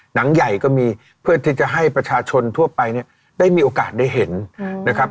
หนังใหญ่ก็มีเพื่อที่จะให้ประชาชนทั่วไปเนี่ยได้มีโอกาสได้เห็นนะครับ